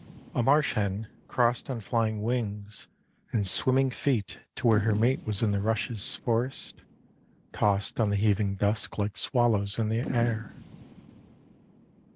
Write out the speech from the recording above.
A marsh hen crossed On flying wings and swimming feet to where Her mate was in the rushes forest, tossed On the heaving dusk like swallows in the air.